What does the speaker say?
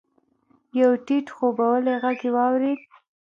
يو ټيټ خوبولی ږغ يې واورېد.